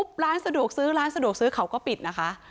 ร้านสะดวกซื้อร้านสะดวกซื้อเขาก็ปิดนะคะ